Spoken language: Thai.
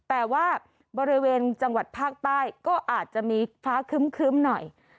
อาจจะมีฟ้าคึ้มหน่อย